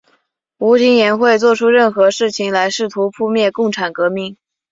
吴廷琰会作出任何事情来试图扑灭共产革命。